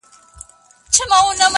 • تر مطلبه چي یاري وي د ښکاریانو -